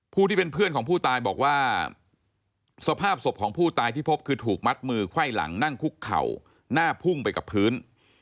ที่เป็นเพื่อนของผู้ตายบอกว่าสภาพศพของผู้ตายที่พบคือถูกมัดมือไขว้หลังนั่งคุกเข่าหน้าพุ่งไปกับพื้น